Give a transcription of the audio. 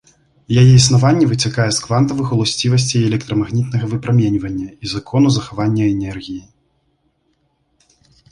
Яе існаванне выцякае з квантавых уласцівасцей электрамагнітнага выпраменьвання і закону захавання энергіі.